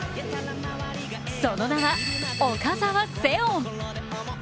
その名は岡澤セオン。